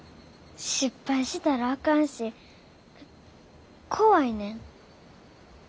失敗したらあかんし怖いねん。